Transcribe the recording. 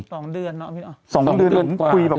สองเดือนเนอะสองเดือนกว่า